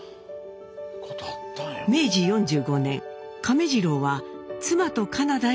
明治４５年亀治郎は妻とカナダへ移住。